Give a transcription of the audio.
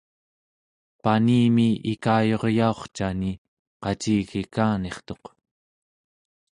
panimi ikayuryaurcani qacigikanirtuq